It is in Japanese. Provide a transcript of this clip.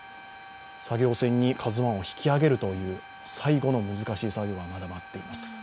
作業船に「ＫＡＺＵⅠ」を引き揚げるという最後の難しい作業がまだ待っています。